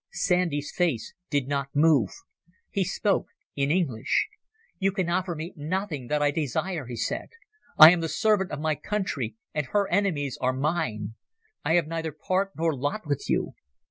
Sandy's face did not move. He spoke in English. "You can offer me nothing that I desire," he said. "I am the servant of my country, and her enemies are mine. I can have neither part nor lot with you.